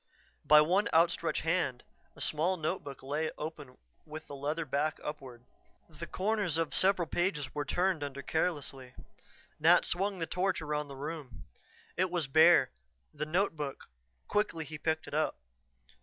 By one outstretched hand a small notebook lay open with the leather back upward. The corners of several pages were turned under carelessly Nat swung the torch around the room. It was bare. The notebook quickly he picked it up.